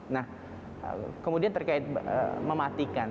nah kemudian terkait mematikan